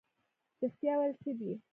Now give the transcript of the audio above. رښتیا ویل څه دي؟